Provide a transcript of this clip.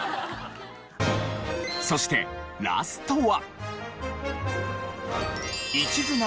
そしてラストは。